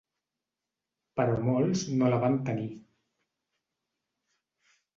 Però molts no la van tenir.